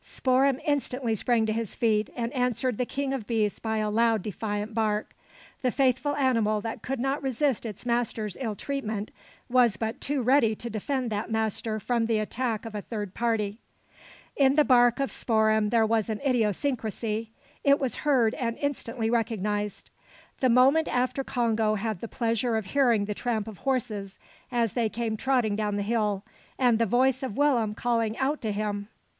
Spoor'em instantly sprang to his feet, and answered the King of beasts by a loud defiant bark. The faithful animal that would not resist its master's ill treatment, was but too ready to defend that master from the attack of a third party. In the bark of Spoor'em there was an idiosyncrasy. It was heard and instantly recognised. The moment after Congo had the pleasure of hearing the tramp of horses, as they came trotting down the hill; and the voice of Willem calling out to him!